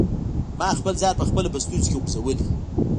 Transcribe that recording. ما خپل ځان په خپله په ستونزو کي غورځولی.